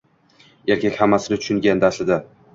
Erkak hammasini tushungandi aslida.